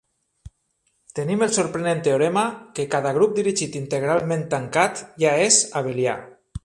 Tenim el sorprenent teorema que cada grup dirigit integralment tancat ja és abelià.